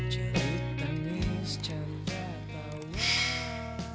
ceritanya secantat tawa